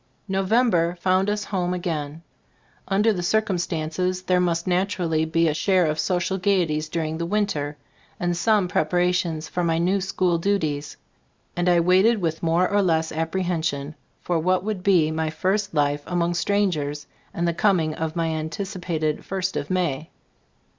November found us home again. Under the circumstances, there must naturally be a share of social gayeties during the winter, and some prepara tions for my new school duties ; and I waited with more or less apprehension for what would be my first life among strangers, and the coming of my an ticipated "First of May."